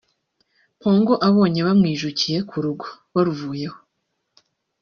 Mpongo abonye bamwijukiye ku rugo (baruvuyeho)